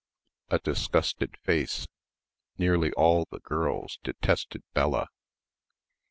a disgusted face ... nearly all the girls detested Bella.